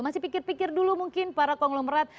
masih pikir pikir dulu mungkin para konglomerat